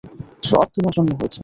সব তোমার জন্য হয়েছে।